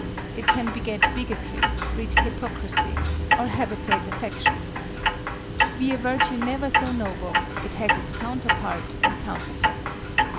It can beget bigotry, breed hypocrisy or hebetate affections. Be a virtue never so noble, it has its counterpart and counterfeit.